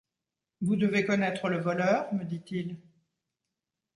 Vous devez connaître le voleur? me dit-il.